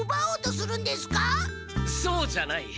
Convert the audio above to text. そうじゃない。